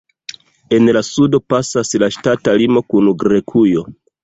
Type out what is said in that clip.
En la sudo pasas la ŝtata limo kun Grekujo.